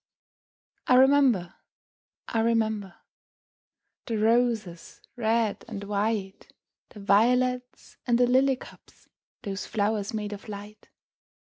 I remember, I remember, The roses, red and white, The violets, and the lily cups, Those flowers made of light!